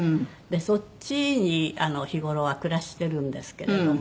そっちに日頃は暮らしてるんですけれども。